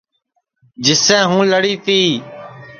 جسے ہوں لڑی تی